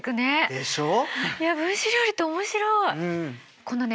でしょう？